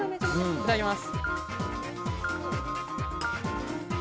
いただきます。